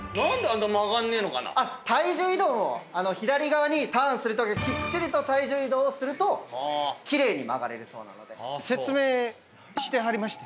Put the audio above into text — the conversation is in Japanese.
体重移動を左側にターンするときはきっちりと体重移動をすると綺麗に曲がれるそうなので。